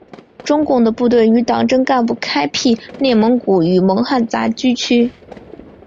中共的部队与党政干部开辟内蒙古与蒙汉杂居区。